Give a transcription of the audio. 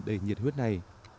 để nhiệt huyết này